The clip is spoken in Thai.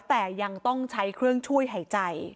แต่ยังต้องใช้เครื่องช่วยหายใจ